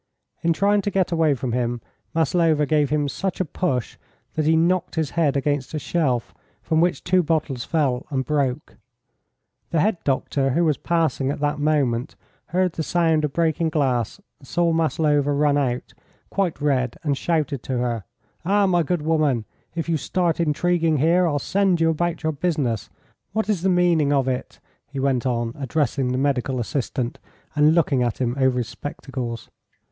In trying to get away from him Maslova gave him such a push that he knocked his head against a shelf, from which two bottles fell and broke. The head doctor, who was passing at that moment, heard the sound of breaking glass, and saw Maslova run out, quite red, and shouted to her: "Ah, my good woman, if you start intriguing here, I'll send you about your business. What is the meaning of it?" he went on, addressing the medical assistant, and looking at him over his spectacles.